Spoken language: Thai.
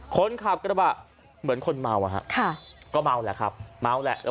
คนขับกระบะเหมือนคนเมาอะฮะค่ะก็เมาแหละครับเมาแหละ